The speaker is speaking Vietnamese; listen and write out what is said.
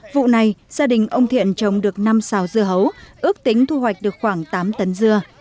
vụ này gia đình ông thiện trồng được năm xào dưa hấu ước tính thu hoạch được khoảng tám tấn dưa